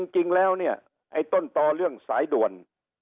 จริงแล้วเนี่ยไอ้ต้นต่อเรื่องสายด่วน